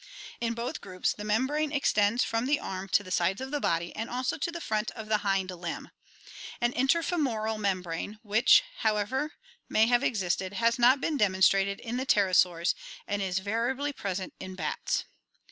In both groups the membrane extends from the arm to the sides of the body and also to the front of the hind limb. An interfemoral membrane, which, however, may have existed, has not been dem onstrated in the pterosaurs and is variably present in bats.